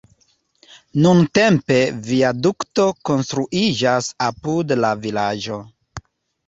Nuntempe viadukto konstruiĝas apud la vilaĝo.